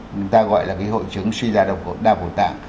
người ta gọi là cái hội chứng suy giả độc đa phổ tạng